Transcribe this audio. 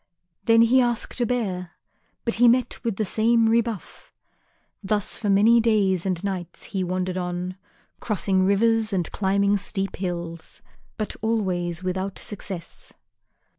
Then he asked a bear, but he met with the same rebuff. Thus for many days and nights he wandered on, crossing rivers and climbing steep hills, but always without success.